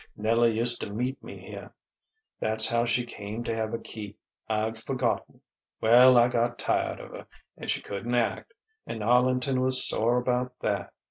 Nella used to meet me here. That's how she came to have a key. I'd forgotten.... Well, I got tired of her, and she couldn't act, and Arlington was sore about that.